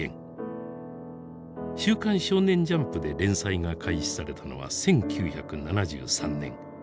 「週刊少年ジャンプ」で連載が開始されたのは１９７３年。